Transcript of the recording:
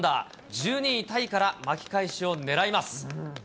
１２位タイから巻き返しを狙います。